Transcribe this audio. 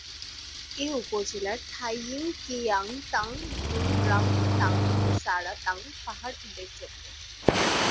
এ উপজেলার থাইংকিয়াং তাং, রুংরাং তাং ও সারা তাং পাহাড় উল্লেখযোগ্য।